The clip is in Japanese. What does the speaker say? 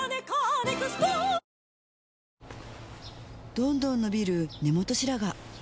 どんどん伸びる根元白髪